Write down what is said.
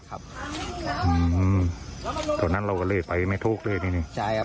ตอนนั้นเราก็เลยไปไม่ถูกเลยทีนี้ใช่ครับ